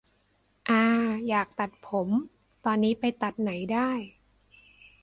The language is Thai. อา อยากตัดผม ตอนนี้ไปตัดไหนได้